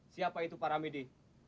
siapa itu pak ramidi